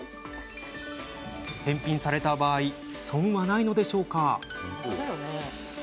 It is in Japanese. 返品された場合損はないのでしょうか。